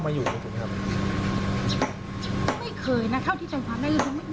หมายถึงว่าบ้านพวกคู่อะ